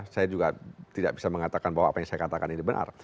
saya juga tidak bisa mengatakan bahwa apa yang saya katakan ini benar